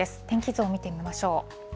天気図を見てみましょう。